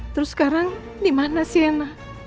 terus sekarang dimana sienna